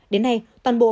đến nay toàn bộ